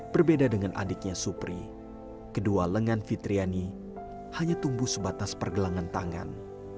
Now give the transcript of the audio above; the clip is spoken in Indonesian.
berbeda dengan adiknya supri kedua lengan fitriani hanya tumbuh sebatas pergelangan tangan